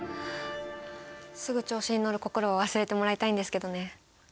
すぐ調子に乗る心は忘れてもらいたいんですけどね。